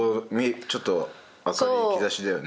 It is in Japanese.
ちょっと明るい兆しだよね。